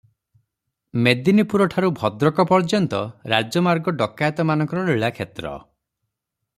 ମେଦିନିପୁର ଠାରୁ ଭଦ୍ରକ ପର୍ଯ୍ୟନ୍ତ ରାଜମାର୍ଗ ଡକାଏତମାନଙ୍କର ଲୀଳାକ୍ଷେତ୍ର ।